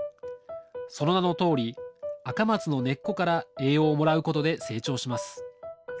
その名のとおりアカマツの根っこから栄養をもらうことで成長します。